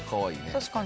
確かに。